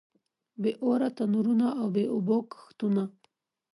بې اوره تنورونه او بې اوبو کښتونه.